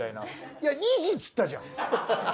いや２時っつったじゃん！